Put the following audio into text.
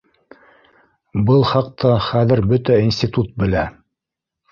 Был хаҡта хәҙер бөтә институт белә